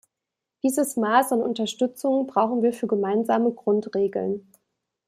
Dieses Maß an Unterstützung brauchen wir für gemeinsame Grundregeln.